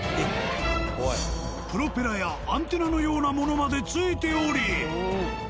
プロペラやアンテナのようなものまで付いており。